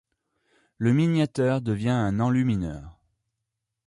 Le miniateur devient un enlumineur.